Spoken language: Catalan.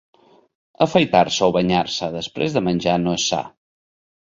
Afaitar-se o banyar-se després de menjar no és sa.